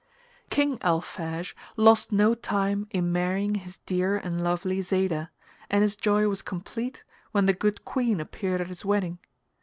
King Alphege lost no time in marrying his dear and lovely Zayda, and his joy was complete when the Good Queen appeared at his wedding.